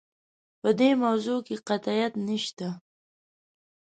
په دې موضوع کې قطعیت نشته.